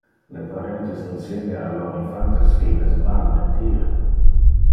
Le parentes insenia a lor infantes que il es mal mentir.